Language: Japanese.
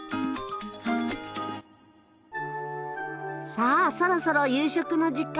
さあそろそろ夕食の時間。